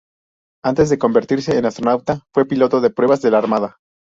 Antes de convertirse en astronauta fue piloto de pruebas de la Armada.